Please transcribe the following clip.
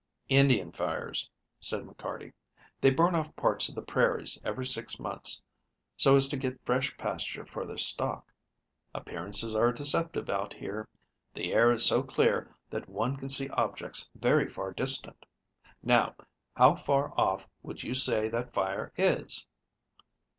"Indian fires," said McCarty. "They burn off parts of the prairies every six months so as to get fresh pasture for their stock. Appearances are deceptive out here. The air is so clear that one can see objects very far distant. Now, how far off would you say that fire is?"